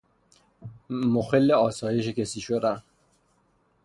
مخل اسایش کسی شدن